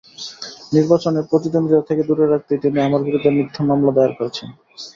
নির্বাচনে প্রতিদ্বন্দ্বিতা থেকে দূরে রাখতেই তিনি আমার বিরুদ্ধে মিথ্যা মামলা দায়ের করেছেন।